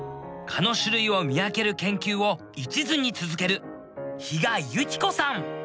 蚊の種類を見分ける研究をいちずに続ける比嘉由紀子さん。